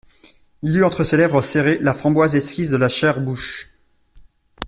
Il eût, entre ses lèvres, serré la framboise exquise de la chère bouche.